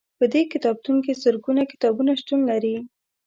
په دې کتابتون کې زرګونه کتابونه شتون لري.